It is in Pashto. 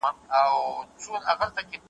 خو باید وي له رمې لیري ساتلی `